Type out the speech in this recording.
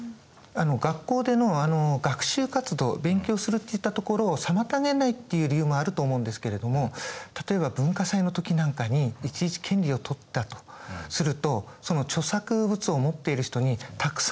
学校での学習活動勉強するといったところを妨げないっていう理由もあると思うんですけれども例えば文化祭の時なんかにいちいち権利をとったとするとその著作物を持っている人にたくさんの連絡が入ってしまうと。